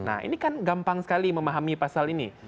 nah ini kan gampang sekali memahami pasal ini